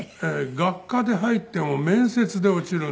学科で入っても面接で落ちるんです。